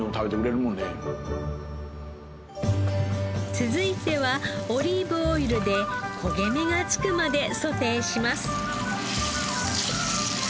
続いてはオリーブオイルで焦げ目が付くまでソテーします。